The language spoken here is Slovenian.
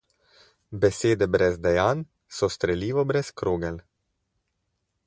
Besede brez dejanj so strelivo brez krogel.